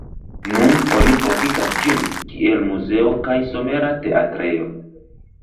Nun oni profitas ĝin, kiel muzeo kaj somera teatrejo.